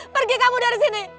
pergi kamu dari sini